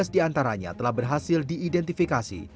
tiga belas diantaranya telah berhasil diidentifikasi